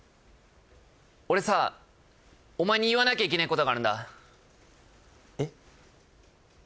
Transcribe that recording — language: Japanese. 俺さおまえに言わなきゃいけねえことがあるんだえっ？